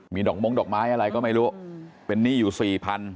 มีดอกม้งดอกไม้อะไรก็ไม่รู้เป็นหนี้อยู่สี่พัน